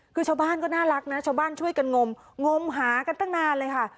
คือชาวบ้านก็น่ารักนะชาวบ้านช่วยกันงมงมหากันตั้งนานเลยค่ะ